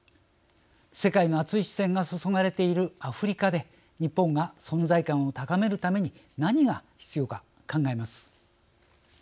世界の熱い視線が注がれているアフリカで日本が存在感を高めるために何が必要か考えます。